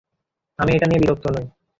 আমি এটা নিয়ে বিরক্ত নই।